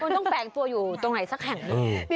ต้องแปลงตัวอยู่ตรงไหนสักแห่งนี้